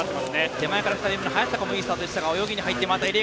手前から２人目の早坂もスタートよかったですが。